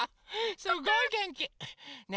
すごいげんき！ね